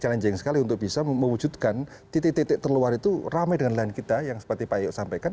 challenging sekali untuk bisa mewujudkan titik titik terluar itu ramai dengan nelayan kita yang seperti pak yo sampaikan